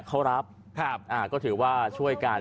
ก็ถือว่า